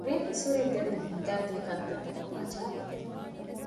ރީމްވެސް ހުރީ ދެންމެ ހިނގައި ދިޔަ ކަންތައް ތަކުން އަޖައިބުވެފަ